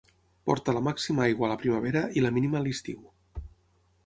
Porta la màxima aigua a la primavera i la mínima a l'estiu.